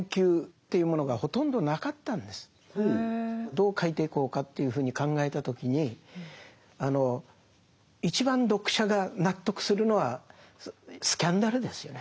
どう書いていこうかというふうに考えた時に一番読者が納得するのはスキャンダルですよね。